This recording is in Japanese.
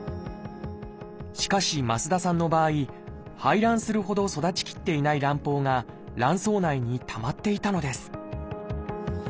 しかし増田さんの場合排卵するほど育ちきっていない卵胞が卵巣内にたまっていたのです